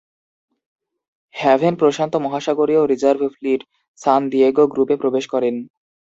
Haven প্রশান্ত মহাসাগরীয় reserve fleet, San Diego গ্রুপে প্রবেশ করেন।